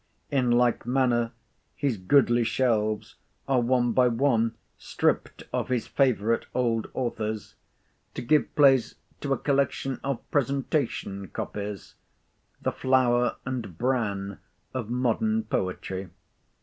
In like manner his goodly shelves are one by one stript of his favourite old authors, to give place to a collection of presentation copies—the flower and bran of modern poetry.